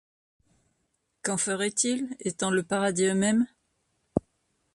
Qu’en feraient-ils ; étant le paradis eux-même ?